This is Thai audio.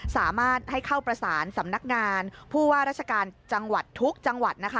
สามารถให้เข้าประสานสำนักงานผู้ว่ารัชกาลทุกจังหวัด